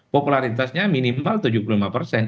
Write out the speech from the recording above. popularitasnya minimal tujuh puluh lima persen